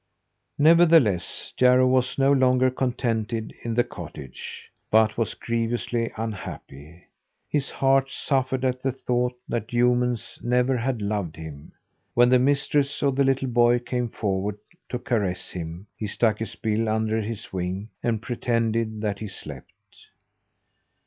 Nevertheless Jarro was no longer contented in the cottage, but was grievously unhappy. His heart suffered at the thought that humans never had loved him. When the mistress, or the little boy, came forward to caress him, he stuck his bill under his wing and pretended that he slept.